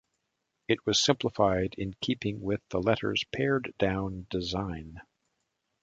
It was simplified in keeping with the letter's pared-down design.